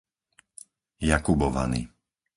Jakubovany